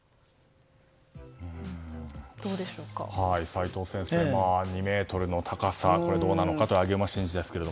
齋藤先生、２ｍの高さどうなのかという上げ馬神事ですが。